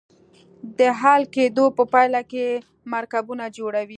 د حل کیدو په پایله کې مرکبونه جوړوي.